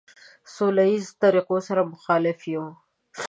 سوله ایزو طریقو سره مخالف یو.